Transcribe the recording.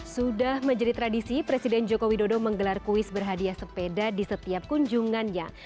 sudah menjadi tradisi presiden joko widodo menggelar kuis berhadiah sepeda di setiap kunjungannya